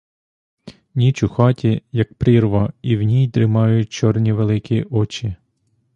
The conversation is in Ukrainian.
Ніч у хаті, як прірва, і в ній дрімають чорні великі очі.